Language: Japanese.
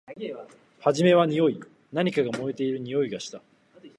はじめはにおい。何かが燃えているにおいがした。